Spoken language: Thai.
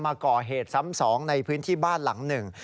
มาก่อเหตุซ้ำสองในพื้นที่บ้านหลังหนึ่ง